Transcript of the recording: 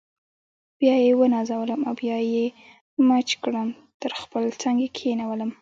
بیا یې ونازولم او بیا یې مچ کړم تر خپل څنګ یې کښېنولم.